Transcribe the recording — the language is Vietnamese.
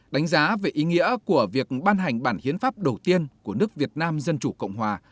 đánh giá về ý nghĩa của việc ban hành bản hiến pháp đầu tiên của nước việt nam dân chủ cộng hòa